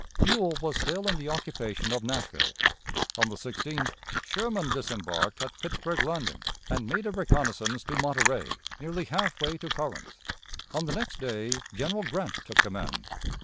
Buell was still in the occupation of Nashville. On the 16th Sherman disembarked at Pittsburg Landing, and made a reconnaissance to Monterey, nearly half way to Corinth. On the next day General Grant took command.